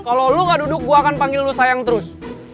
kalo lu ga duduk gue akan panggil lu sayang terus